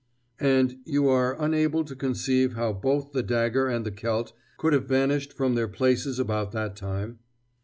"And you are unable to conceive how both the dagger and the celt could have vanished from their places about that time?"